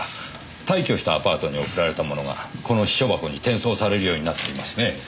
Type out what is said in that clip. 退去したアパートに送られたものがこの私書箱に転送されるようになっていますね。